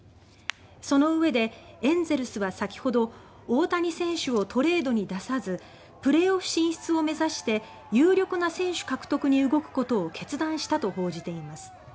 そのうえでエンゼルスは先ほど大谷選手をトレードに出さずプレーオフ進出を目指して有力な選手獲得に動くことを決断したと報じています。